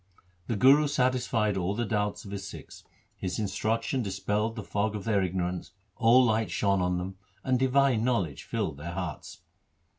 1 The Guru satisfied all the doubts of his Sikhs. His instruction dispelled the fog of their ignorance, all light shone on them, and divine knowledge filled their hearts.